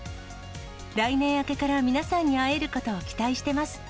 来年明けから皆さんに会えることを期待してます。